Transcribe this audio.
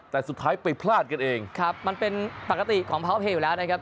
แต่สุดท้ายไปพลาดกันเองครับมันเป็นปกติของพาวเพลย์อยู่แล้วนะครับ